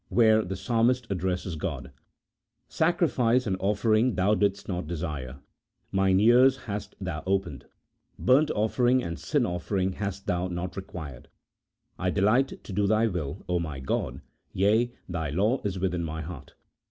7 9, where the Psalmist addresses God :" Sacrifice and offering Thou didst not desire ; mine ears hast Thon opened ; burnt offer ing and sin offering hast Thou not required ; I delight to do Thy will, O my God ; yea, Thy law is within my heart."